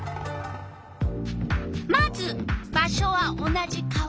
まず場所は同じ川原。